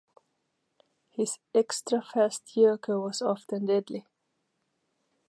His extra-fast yorker was often deadly.